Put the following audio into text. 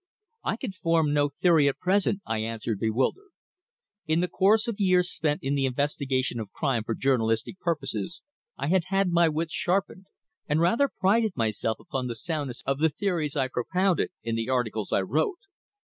"I can form no theory at present," I answered, bewildered. In the course of years spent in the investigation of crime for journalistic purposes I had had my wits sharpened, and rather prided myself upon the soundness of the theories I propounded in the articles I wrote.